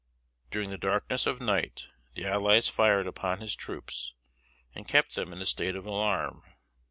During the darkness of night the allies fired upon his troops, and kept them in a state of alarm.